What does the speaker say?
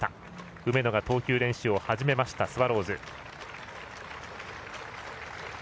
梅野が投球練習を始めましたスワローズ。